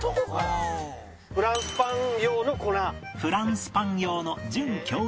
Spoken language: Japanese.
フランスパン用の粉。